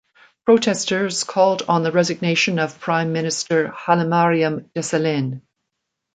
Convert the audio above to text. Protesters called on the resignation on prime minister Hailemariam Desalegn.